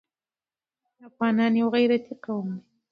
افغانان يو غيرتي قوم دی.